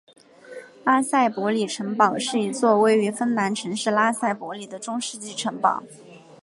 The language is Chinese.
拉塞博里城堡是一座位于芬兰城市拉塞博里的中世纪城堡。